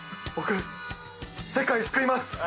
僕世界救います！